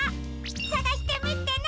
さがしてみてね！